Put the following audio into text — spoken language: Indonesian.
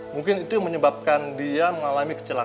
mungkin itu yang menyebabkan dia mengalami kecelakaan